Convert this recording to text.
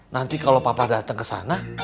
nanti kalo papa dateng kesana